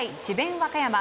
和歌山。